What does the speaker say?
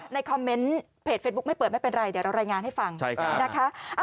ในคอมเมนต์เพจเฟซบุ๊กไม่เปิดไม่เป็นไรเดี๋ยวเรารายงานให้ฟังนะคะ